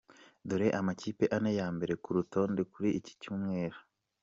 Dore amakipe ane ya mbere ku rutonde kuri iki cyumweru:.